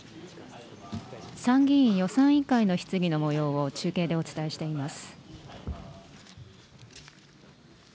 参議院予算委員会の質疑のもようを中継でお伝えしています。